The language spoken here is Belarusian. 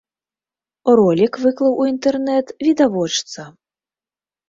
Ролік выклаў у інтэрнэт відавочца.